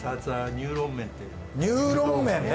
ニューロン麺ね。